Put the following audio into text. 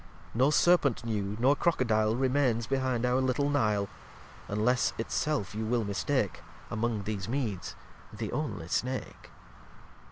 No Serpent new nor Crocodile Remains behind our little Nile; Unless it self you will mistake, Among these Meads the only Snake.